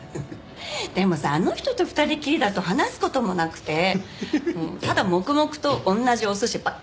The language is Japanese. でもさあの人と２人っきりだと話す事もなくてただ黙々と同じお寿司ばっかり食べてたの。